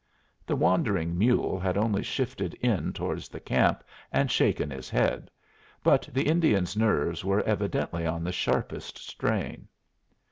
The wandering mule had only shifted in towards the camp and shaken his head; but the Indian's nerves were evidently on the sharpest strain.